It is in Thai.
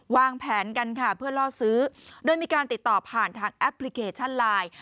วางแผนกันค่ะเพื่อล่อซื้อโดยมีการติดต่อผ่านทางแอปพลิเคชันไลน์